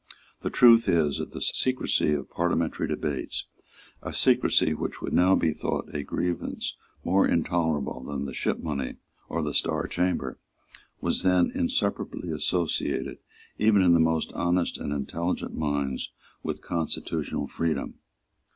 The truth is that the secrecy of parliamentary debates, a secrecy which would now be thought a grievance more intolerable than the Shipmoney or the Star Chamber, was then inseparably associated, even in the most honest and intelligent minds, with constitutional freedom.